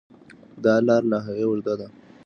دا لار له هغې اوږده ده.